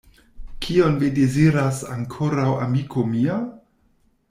Kion vi deziras ankoraŭ, amiko mia?